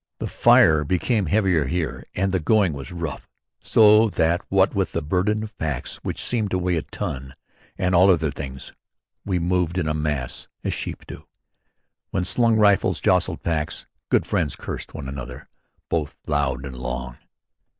The fire became heavier here and the going was rough so that what with the burden of packs which seemed to weigh a ton and all other things; we moved in a mass, as sheep do. When slung rifles jostled packs, good friends cursed one another both loud and long.